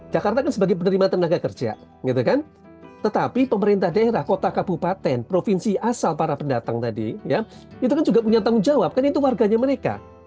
jakarta kan sebagai penerima tenaga kerja gitu kan tetapi pemerintah daerah kota kabupaten provinsi asal para pendatang tadi ya itu kan juga punya tanggung jawab kan itu warganya mereka